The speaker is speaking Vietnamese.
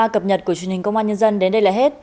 ba cập nhật của chương trình công an nhân dân đến đây là hết